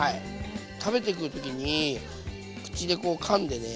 食べてく時に口でこうかんでね